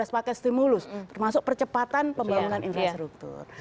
lima belas paket stimulus termasuk percepatan pembangunan infrastruktur